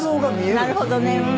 なるほどねうん。